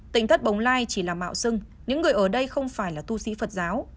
tỉnh thất bồng lai chỉ là mạo sưng những người ở đây không phải là tu sĩ phật giáo